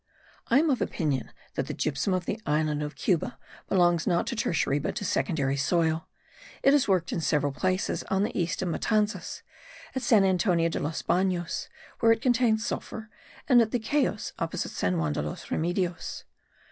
I am of opinion that the gypsum of the island of Cuba belongs not to tertiary but to secondary soil; it is worked in several places on the east of Matanzas, at San Antonio de los Banos, where it contains sulphur, and at the Cayos, opposite San Juan de los Remedios.